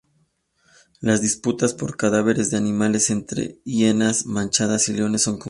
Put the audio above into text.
Las disputas por cadáveres de animales entre hienas manchadas y leones son comunes.